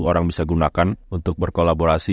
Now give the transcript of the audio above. orang bisa gunakan untuk berkolaborasi